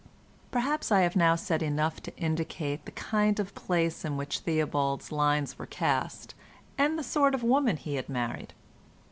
Perhaps I have now said enough to indicate the kind of place in which Theobald's lines were cast, and the sort of woman he had married.